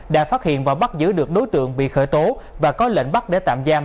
đã phát hiện và bắt giữ được đối tượng bị khởi tố và có lệnh bắt để tạm giam